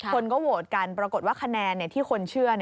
คนก็โหวตกันปรากฏว่าคะแนนที่คนเชื่อ